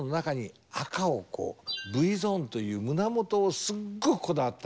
Ｖゾーンという胸元をすっごくこだわった。